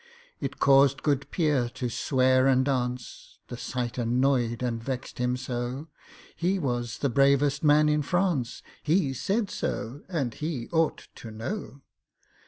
It caused good PIERRE to swear and dance, The sight annoyed and vexed him so; He was the bravest man in France— He said so, and he ought to know.